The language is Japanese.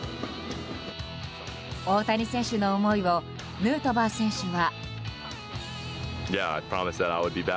大谷選手の思いをヌートバー選手は。